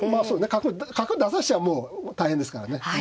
角角出さしちゃもう大変ですからね。